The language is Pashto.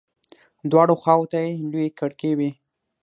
دواړو خواو ته يې لويې کړکۍ وې.